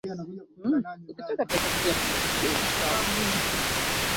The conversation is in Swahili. Lakini wale wanaozivunja na kuwafundisha wengine kuzivunja wataitwa wadogo katika ufalme wa Mungu